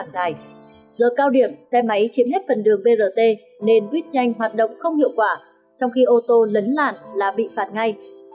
giờ cao điểm xe máy chiếm hết phần đường brt nên buýt nhanh hoạt động không hiệu quả trong khi ô tô lấn làn là bị phạt ngay